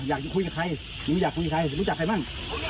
อยากจะคุยกับใครหนูอยากคุยกับใครรู้จักใครบ้าง